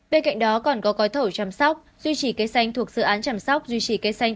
bên cạnh đó còn có gói thầu chăm sóc duy trì cây xanh thuộc dự án chăm sóc duy trì cây xanh